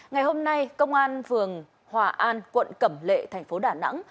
ngày hôm nay công an phường hòa an quận cẩm lệ thành phố đà nẵng